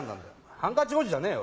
ハンカチ王子じゃねえよ